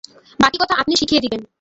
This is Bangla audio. বাকি কথা আপনি শিখিয়ে দিবেন।